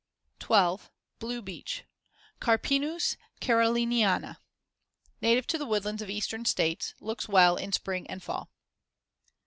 12. Blue beech (Carpinus caroliniana) Native to the woodlands of the Eastern States; looks well in spring and fall.